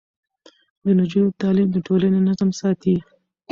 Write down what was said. د نجونو تعليم د ټولنې نظم ساتي.